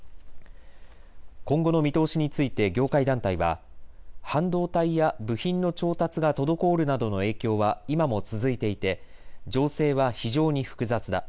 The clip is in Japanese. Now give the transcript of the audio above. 今後の見通しについて業界団体は半導体や部品の調達が滞るなどの影響は今も続いていて情勢は非常に複雑だ。